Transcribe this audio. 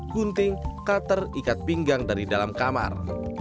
gunting cutter ikat pinggang dari dalam kamar